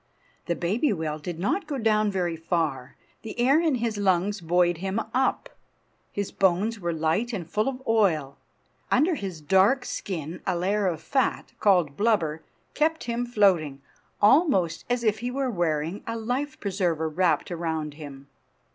The baby whale did not go down very far. The air in his lungs buoyed him up. His bones were light and full of oil. Under his dark skin a layer of fat, called blubber, kept him floating, almost as if he were wearing a life preserver wrapped around him.